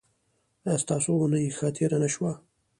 ایا ستاسو اونۍ ښه تیره نه شوه؟